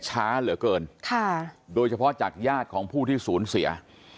ช้าเหลือเกินค่ะโดยเฉพาะจากญาติของผู้ที่ศูนย์เสีย